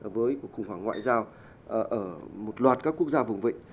với cuộc khủng hoảng ngoại giao ở một loạt các quốc gia vùng vịnh